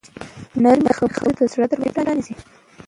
نرمې خبرې د زړه دروازې پرانیزي.